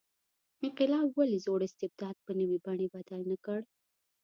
انقلاب ولې زوړ استبداد پر نوې بڼې بدل نه کړ.